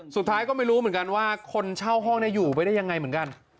สุดท้ายก็ไม่รู้เหมือนกันว่าคนเช่าห้องอยู่ไปได้ยังไงเหมือนกัน